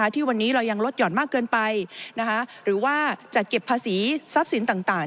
ที่วันนี้เรายังลดหย่อนมากเกินไปหรือว่าจัดเก็บภาษีทรัพย์สินต่าง